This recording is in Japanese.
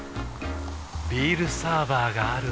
ビールサーバーがある夏。